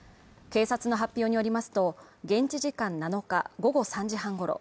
警察の発表によりますと現地時間７日午後３時半ごろ